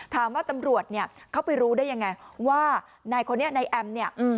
ตำรวจเนี่ยเขาไปรู้ได้ยังไงว่านายคนนี้นายแอมเนี่ย